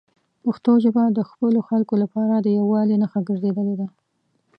پښتو ژبه د خپلو خلکو لپاره د یووالي نښه ګرځېدلې ده.